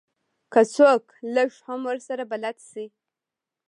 که څوک لږ هم ورسره بلد شي.